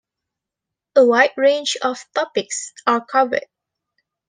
A wide range of topics are covered.